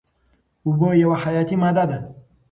اوبه یوه حیاتي ماده ده.